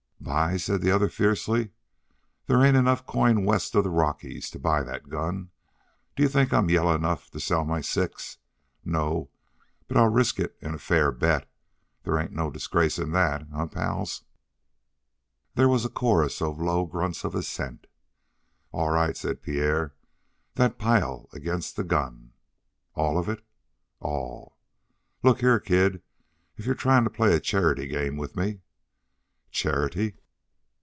"Buy?" said the other fiercely. "There ain't enough coin west of the Rockies to buy that gun. D'you think I'm yaller enough to sell my six? No, but I'll risk it in a fair bet. There ain't no disgrace in that; eh, pals?" There was a chorus of low grunts of assent. "All right," said Pierre. "That pile against the gun." "All of it?" "All." "Look here, kid, if you're tryin' to play a charity game with me " "Charity?"